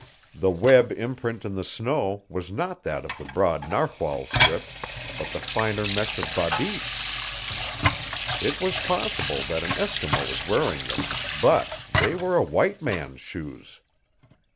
The web imprint in the snow was not that of the broad narwhal strip, but the finer mesh of babiche. It was possible that an Eskimo was wearing them, but they were A WHITE MAN'S SHOES!